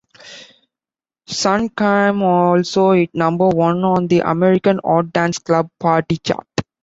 "Sunchyme" also hit number-one on the American Hot Dance Club Party chart.